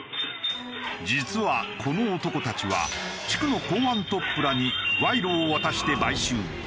実はこの男たちは地区の公安トップらに賄賂を渡して買収。